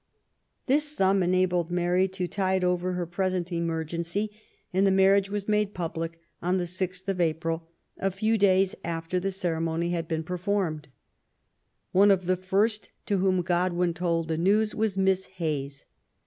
This sum enabled Mary to tide ofer her present emergency, and the marriage was made public on the 6th of April, a few days after the cere* mony had been performed. One of the first to whom Godwin told the news was Miss Hayes.